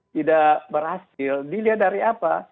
tidak berhasil dilihat dari apa